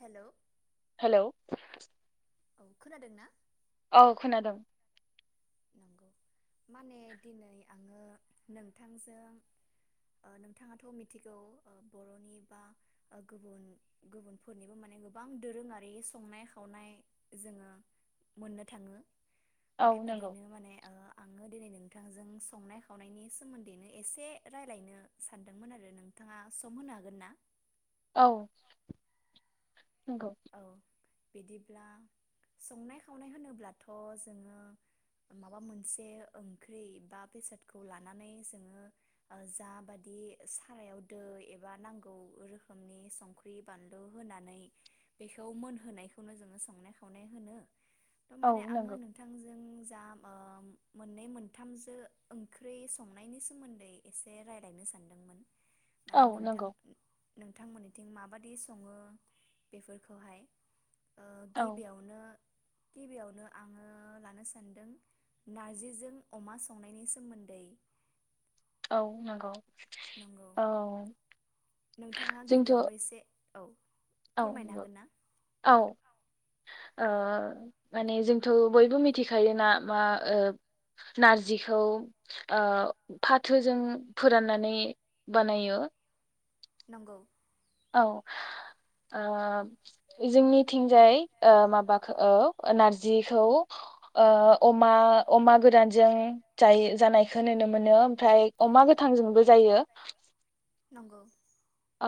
Hello. Hello. औ खोनादों ना? औ खोनादों। नंगौ माने दिनै आङो नोंथांजों ओ नोंथाङाथ' मिथिगौ ओ बर'नि बा ओ गुबुन गुबुनफोरनिबो माने गोबां दोरोङारि संनाय खावनाय जोङो मोननो थाङो। औ नंगौ बेबादिनो माने ओ आङो दिनै नोंथांजों संनाय खावनायनि सोमोन्दैनो एसे रायलायनो सानदोंमोन आरो नोंथाङा सम होनो हागोन ना? औ। नोंगौ। औ बिदिब्ला संनाय खावनाय होनोब्लाथ' जोङो माबा मोनसे ओंख्रि बा बेसादखौ लानानै जोङो ओ जाबादि सारायाव दै एबा नांगौ रोखोमनि संख्रि बानलु होनानै बेखौ मोनहोनायखौनो जोङो संनाय खावनाय होनो। औ थारमाने आङो नंगौ नोंथांजों जा ओ मोननै मोनथामजो ओंख्रि संनायनि सोमोन्दै एसे रायलायनो सानदोंमोन। माने औ नोंथां नंगौ नोंथांमोननिथिं माबादि सङो बेफोर खौहाय। ओ औ गिबियावनो गिबियावनो आङो लानो सान्दों नार्जिजों अमा संनायनि सोमोन्दै। औ नंगौ। नंगौ औ नोंथाङा जोंथ' गिबियावनो एसे औ। फोरमायनो औ हागोन ना [unintelligible] औ। ओ माने जोंथ' बयबो मिथिखायोना मा ओ नारजिखौ ओ फाथोजों फोराननानै बानायो। नंगौ। औ ओ जोंनिथिंजाय ओ माबाखौ ओ नारजिखौ ओ अमा अमा गोरानजों जायो जानायखौ नुनो मोनो ओमफ्राय अमा गोथांजोंबो जायो। नंगौ औ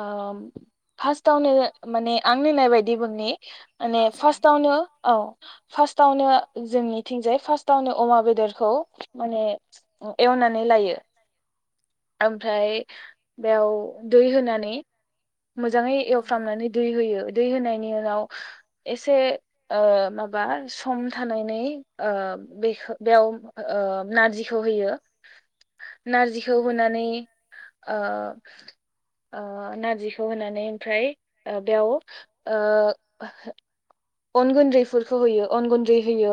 ओम फास्ट तावनो माने आं नोंनाय बायदि बुंनि माने औ जागोन फार्स्टावनो औ फार्स्टआवनो जोंनिथिंजाय फार्स्टावनो अमा बेदरखौ माने एवनानै लायो ओमफ्राय खौ दै होनानै। मोजाङै नंगौ एवफ्रामनानै दै होयो दै होनाय बिनि उनाव एसे ओ माबा सम थानायनै ओ बेखौ बेयाव ओ नारजिखौ होयो। नारजिखौ नंगौ होनानै ओ [inaudible] ओ नारजिखौ होनानै ओमफ्राय ओ बेयाव ओ अनगुन दैफोरखौ होयो अन गुन्दै होयो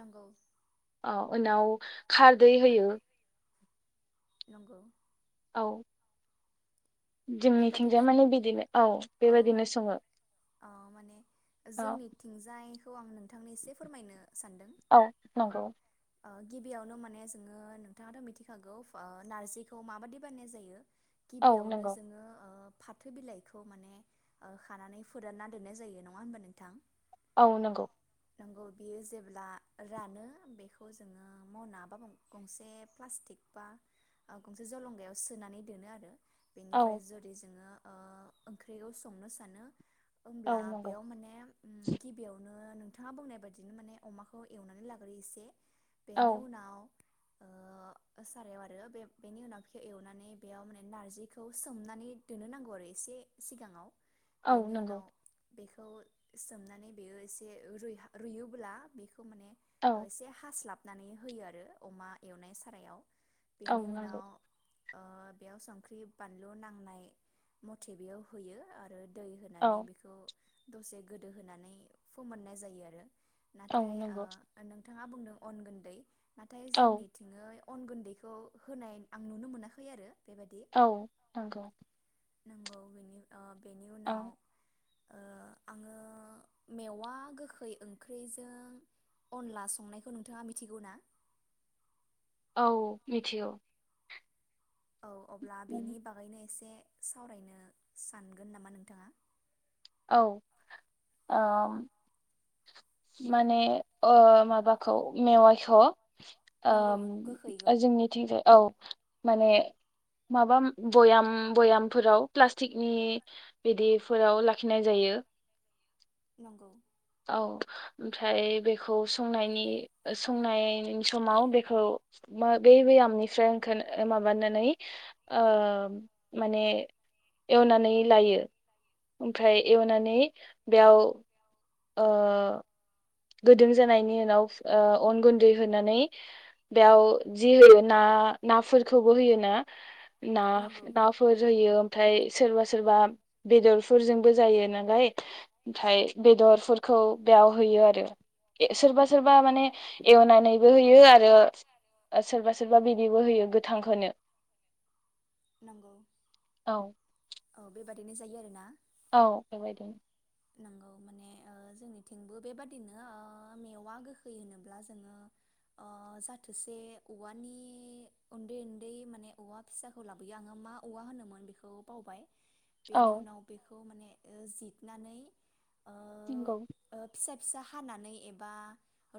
नंगौ ओ उनाव खारदै होयो नंगौ औ जोंनिथिंजाय बेबादिनो माने बिदिनो औ बेबायाददिनो सङो औ औ खौ आं नों नोंथांनो एसे फोरमायनो सानदों औ नंगौ गिबियावनो माने जोङो नोंथाङाथ' मिथिखागौ नारजिखौ माबादि बानायनाय जायो औ गिबियावनो नंगौ जोङो ओ फाथो बिलाइखौ माने खानानै फोरानना दोननाय जायो नङा होनबा नोंथां? औ नंगौ नंगौ बियो जेब्ला रानो बेखौ जोङो मावना बा गंसे प्लास्टिक बा गंसे जलंगायाव सोनानै दोनो आरो औ बेनिफ्राय जुदि जोङो ओ ओंख्रिखौ संनो सानो औ होमब्ला नंगौ बेयाव माने गिबियावनो ओ नोंथाङा बुंनाय बायदिनो माने अमाखौ एवनानै लाग्रोयो एसे औ बेनि उनाव ओ सारायाव आरो बे बेनि उनाव बे एवनानै बेयाव माने नारजि बेखौ सोमनानै दोननो नांगौ आरो एसे सिगाङाव औ बेनि नंगौ उनाव बेखौ सोमनानै बेयो एसे रुइ रुयोब्ला बेखौ बेखौ माने औ एसे हास्लाब नानै होयो आरो अमा एवनाय सारायाव औ बेनि नंगौ उनाव बेयाव संख्रि बानलु नांनाय मथे बेयाव होयो आरो दै औ होनानै बेखौ दसे गोदो होनानै फोमोननाय जायो आरो औ नाथाय ओ नंगौ नोंथां नोंथाङा बुंदों अन गुन्दै नाथाय औ जोंनिथिंङै अन गुन्दैखौ होनाय आं नुनो मोनाखै आरो बेबायदि औ नंगौ नंगौ बेनि ओ बेनि औ उनाव ओ आङो मेवा गोखै ओंख्रिजों अनला संनायखौ नोंथाङा मिथिगौ ना? औ मिथिगौ। औ अब्ला बेनि बागैनो एसे सावरायनो सानगोन नामा नोंथाङा? औ ओ माने ओ माबाखौ मेवायखौ नंगौ ओम गोखैखौ जोंनिथिंजाय औ। माने माबा बयाम बयामफोराव प्लास्टिकनि बिदिफोराव लाखिनाय जायो। नंगौ। औ ओमफ्राय बेखौ संनायनि संनाय समाव बेखौ बे बयामनिफ्राय ओं माबानानै ओ माने एवनानै लायो ओमफ्राय एवनानै बेयाव ओ गोदों जानायनि उनाव ओ अन गुन्दै होनानै बेयाव जि होयो ना नाफोरखौबो होयोना। ना नंगौ। नाफोर होयो ओमफ्राय सोरबा सोरबा बेदरफोरजोंबो जायो नालाय ओमफ्राय बेदरफोरखौ बेयाव होयो आरो। सोरबा सोरबा माने एवना नैबो होयो आरो सोरबा सोरबा बिदिबो होयो गोथांखौनो नंगौ औ। औ बेबादिनो जायो आरो ना। औ बेबायदिनो। नोंगौ माने ओ जोंनिथिंबो बेबादिनो मेवा गोखै होनोब्ला जोङो ओ जाथोसे औवानि उन्दै उन्दै माने औवा फिसाखौ लाबोयो आङो मा औवा होनोमोन बेखौ बावबाय। बेनि औ उनाव बे खौ माने जित नानै ओ थिंगौ। ओ फिसा फिसा हानानै एबा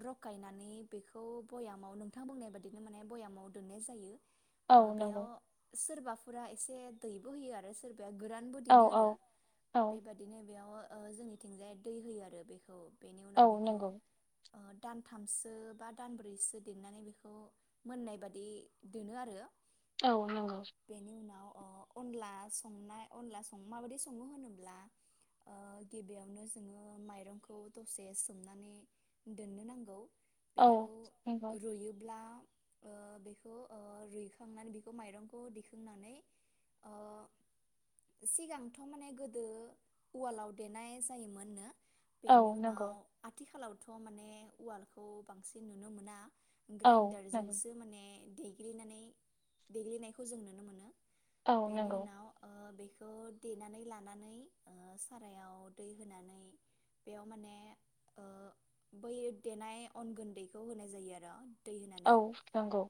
रखायनानै बेखौ भयामाव नोंथां बुंनाय बाददिनो माने भयामाव दोननाय जायो। ओ औ नंगौ बेयाव सोरबा फोरा एसे दैबो होयो आरो सोरबा औ गोरानबोदिनो औ आरो औ बेबा नै बेयाव ओ जोंनिथिंजाय दै होयो आरो बेखौ। बेनि औ उनाव बेखौ नंगौ ओ दानथामसो बा दानब्रैसो देरनानै बेखौ मोननाय बादि दोनो आरो। औ नंगौ। बेनि उनाव अ अनला संनाय अनला सं माबायदि सङो होनोब्ला ओ गिबियावनो जोङो माइरंखौ दसे सोमनानै दोननो नांगौ। औ बेखौ नंगौ रुइयोब्ला ओ बेखौ ओ रुइखांनानै बेखौ माइरंखौ दिखांनानै ओ सिगांथ माने गोदो उवालाव देनाय जायोमोननो। औ बेनि नंगौ उनाव आथिखालाव थ' माने उवालखौ बांसिन नुनो मोना। औ ग्राइनडार नंगौ जोंसो माने देग्लिनानै देग्लिनायखौ जों नुनो मोनो। औ बेनि नंगौ उनाव ओ बे बेखौ देनानै लानानै ओ सारायाव दै होनानै बेयाव माने ओ बै देनाय अन गुन्दैखौ होनाय जायो आरो। दै औ होनानै नंगौ।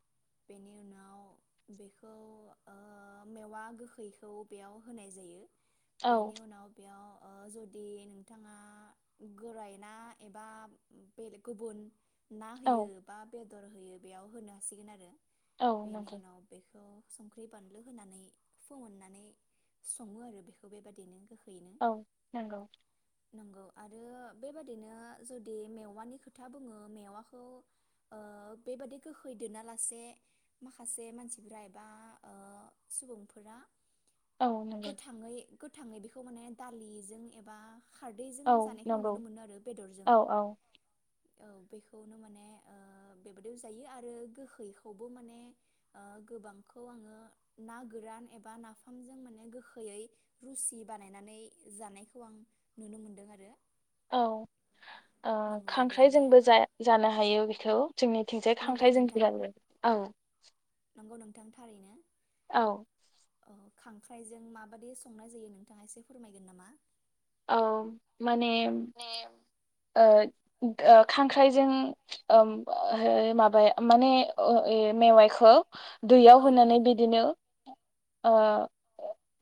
बेनि उनाव बेखौ ओ मेवा गोखैखौ बेयाव होनाय जायो। औ बेनि उनाव याव ओ जुदि नोंथाङा गोरायना एबा बेलेग गुबुन ना होयो औ बा बे दर होयो बेयाव होनो हासिगोन आरो औ बेनि नंगौ उनाव बेखौ संख्रि बानलु होनानै फोमोननानै सङो आरो बेखौ बेबायदिनो गोखो औ नंगौ। नंगौ आरो बेबादिनो जुदि मेवानि खोथा बुङो मेवाखौ ओ बेबादि गोखै दोनालासे माखासे मानसिफोरा एबा ओ सुबुंफोरा औ नंगौ गोथाङै गोथाङै बे खौ माने दालिजों एबा खारदैजों औ जानायखौ नंगौ नुनो मोनो आरो बेदरजों औ औ औ बेखौनो माने ओ बेबादिबो जायो आरो गोहैखौबो माने ओ गोबांखौ आङो ना गोरान एबा नाफामजों माने गोखैयै रुसिब बानायनानै जानायखौ आं नुनो मोनदों आरो। औ ओ नंगौ बेयाव माने खांख्राइजोंबो ओ जा जानो हायो बेखौ। जोंनिथिंजाय नंगौ खांख्राइ जों नोंथां बिरानो औ। नंगौ नोंथां थारैनो। औ। खांख्राइजों माबादि संनाय जायो नोंथाङा एसे फोरमायगोन नामा? औ। माने ओ गोखांख्राइजों ओम बो ओ माबाया माने ओ ए मेवाइखौ दैयाव औ होनानै नंगौ बिदिनो ओ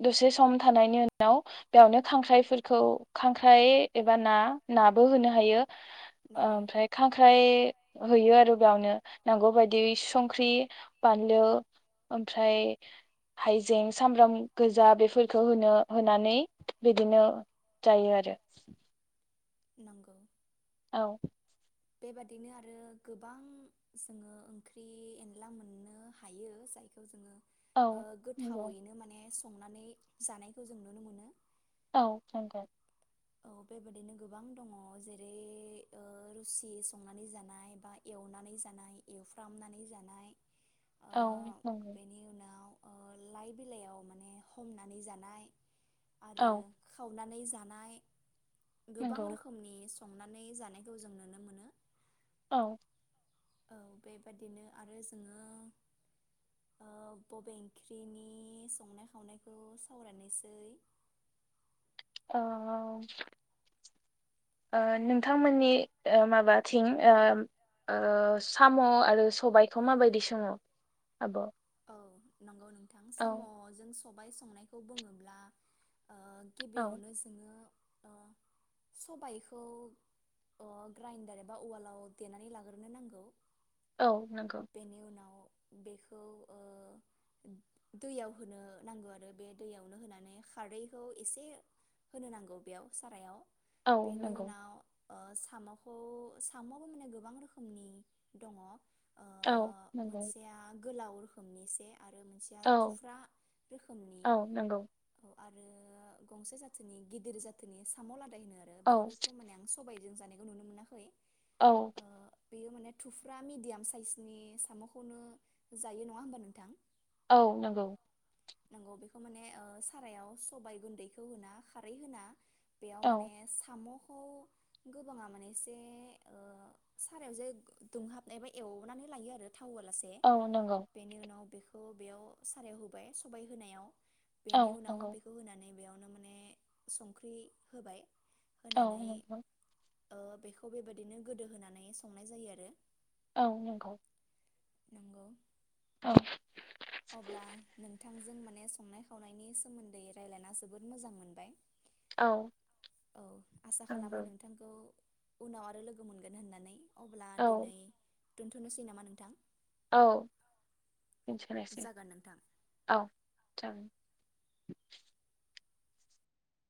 दसे सम थानायनि उनाव बेयावनो खांख्राइफोरखौ खांख्राइ एबा ना नाब बो होनो हायो। नंगौ ओमफ्राय खांख्राइ होयो आरो बेयावनो नांगौ बायदि संख्रि बानलु ओमफ्राय हायजें सामब्राम गोजा बेफोरखौ होनो होनानै बिदिनो जायो आरो। नंगौ औ बेबादिनो आरो गोबां जोङो ओंख्रि एनला मोननो हायो जायखौ जोङो औ नंगौ गोथावैनो माने संनानै जानायखौ जों नुनो मोनो। औ [unintelligible] औ बेबायादिनो गोबां दङ, जेरै रुसि संनानै जानाय, बा एवनानै जानाय एवफ्रामनानै जानाय। औ नंगौ। आव औ लाइ बिलाइयाव माने हमनानै जानाय। औ आरो खाव नानै जानाय। गोबां नंगौ रोखोमनि संनानै जानायखौ जों नुनो मोनो। औ औ बेबादिनो आरो जोङो ओ बबे ओंख्रिनि संनाय खावनायखौ सावरायनायसै। ओ नोंथांमोननि ओ माबाथिं ओ-ओ साम' आरो सबायखौ माबायदि सङो आब'? औ नंगौ नों थां औ साम'जों स' बाय संनायखौ बुङोब्ला। ओ औ गिबियावनो जोङो। ओ सबायखौ ग्राइन्दार एबा अवालाव देनानै लाग्रोनो नांगौ। औ नोंगौ। बेनि उनाव बेखौ ओ दैयाव होनो नांगौ आरो बे दैयावनो होनानै खारदैखौ एसे होनो नांगौ बेयाव सारायाव। औ बेनि नंगौ उनाव। ओ साम'खौ साम'आबो माने गोबां रोखोमनि दङ। औ नंगौ। मोनसेया गोलाव खननैसे आरो मोनसेया औ थुफ्रा रोखोमनि औ नंगौ आरो गंसे जाथोनि गिदिर जाथोनि साम' लादाय होनो। आरो औ बेखौथ' माने आं सबाय जों जानायखौ नुनो मोनाखै। औ ओ बेयो माने थुफ्रा मिडियाम साइसनि साम'खौनो जायो ना नङा होमबा नोंथां? औ नंगौ। नंगौ बेखौ माने सारायाव सबायाइ गुन्दैखौ होना खारै होना। बेयाव औ माने साम' खौ गोबाङा माने एसे ओ सारायाव जे दुंहाबनायबा एवनानै लायो आरो। थावहोआलासे औ नंगौ बेनि उनाव बेखौ खौ बेयाव सारायाव होबाय। सबाय होनायाव। औ बेनि उनाव नंगौ बेखौ होनानै बेयाव नो माने संख्रि होबाय। औ होनानै नंगौ। ओ बेखौ बेबादिनो गोदो होनानै संनाय जायो आरो। औ नोंगौ। नोंगौ। औ। अब्ला नोंथांजों माने संनाय खावनायनि सोमोन्दै रायलायना जोबोद मोजां मोनबाय। औ औ आसा खालामो नंगौ नोंथांखौ उनाव आरो लोगो मोनगोन होननानै। अब्ला औ दिनै दोन्थ'नोसै नामा नोंथां? औ। [unintelligible] जागोन नोंथां। औ। जागोन।